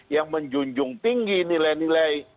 yang menjunjung tinggi nilai nilai